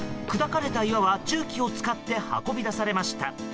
砕かれた岩は重機を使って運び出されました。